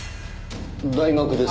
大学です。